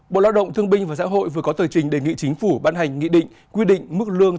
bộ lao động thương binh và xã hội vừa có tờ trình đề nghị chính phủ ban hành nghị định quy định mức lương